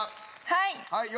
はい！